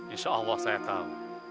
insya allah saya tahu